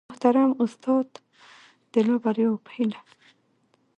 د محترم استاد د لا بریاوو په هیله